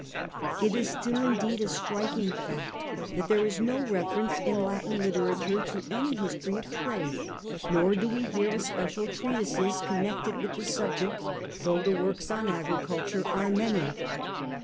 It is still, indeed, a striking fact that there is no reference in Latin literature to any history of trade ; nor do we hear of special treatises connected with the subject, though the works on agriculture were many.